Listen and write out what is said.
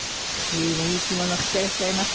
随分いい着物着てらっしゃいますね。